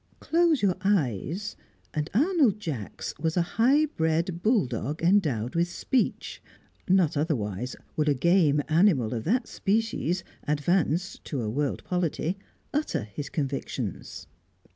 Close your eyes, and Arnold Jacks was a high bred bulldog endowed with speech; not otherwise would a game animal of that species, advanced to a world polity, utter his convictions.